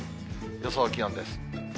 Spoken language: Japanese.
予想気温です。